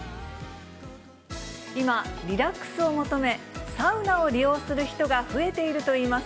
今、リラックスを求め、サウナを利用する人が増えているといいます。